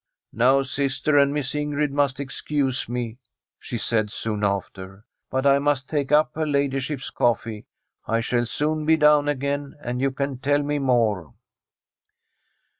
Now sister and Miss Ingrid must excuse me/ she said soon after, ' but I must take up her ladyship's coffee. I shall soon be down again, and you can tell me more.'